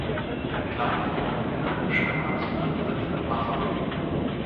Ein kleiner Junge in einem Schwimmanzug sitzt im Wasser.